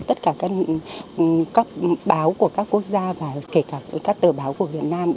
tất cả các báo của các quốc gia và kể cả các tờ báo của việt nam